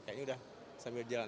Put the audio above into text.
kayaknya udah sambil jalan